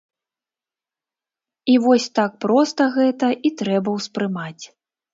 І вось так проста гэта і трэба ўспрымаць.